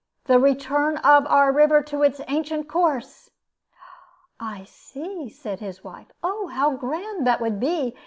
the return of our river to its ancient course." "I see," said his wife; "oh, how grand that would be!